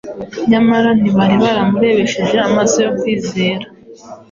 Nyamara ntibari baramurebesheje amaso yo kwizera.